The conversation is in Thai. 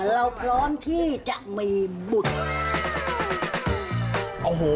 ลองนั่งดูสิ